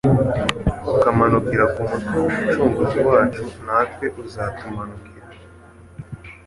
Ukamanukira ku mutwe w'Umucunguzi wacu natwe uzatumanukira